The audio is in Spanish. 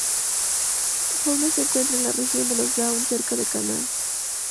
Holmes se encuentra en la región de los Down, cerca del Canal.